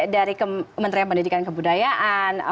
dari kementerian pendidikan kebudayaan